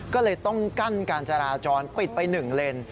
ก็เลยต้องกั้นการจราจรปิดไป๑เลน